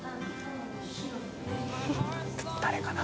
誰かな？